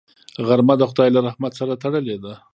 غرمه د خدای له رحمت سره تړلې ده